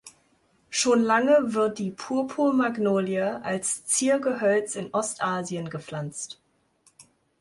Schon lange wird die Purpur-Magnolie als Ziergehölz in Ostasien gepflanzt.